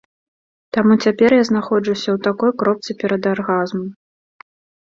Таму цяпер я знаходжуся ў такой кропцы перадаргазму.